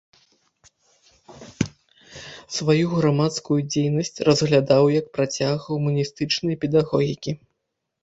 Сваю грамадскую дзейнасць разглядаў як працяг гуманістычнай педагогікі.